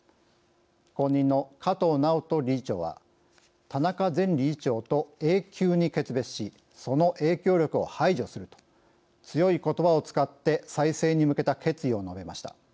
後任の加藤直人理事長は「田中前理事長と永久に決別しその影響力を排除する」と強いことばを使って再生に向けた決意を述べました。